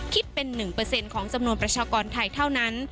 คิดเป็น๑ของจำนวนประชากรไทยเท่านั้น